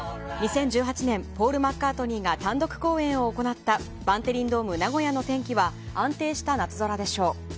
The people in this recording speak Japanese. ２０１８年ポール・マッカートニーが単独公演を行ったバンテリンドームナゴヤの天気は安定した夏空でしょう。